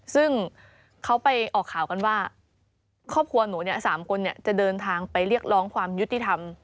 ซึ่งเขาไปออกข่าวกันว่าครอบครัวหนู๓คนจะเดินทางไปเรียกร้องความยุติธรรม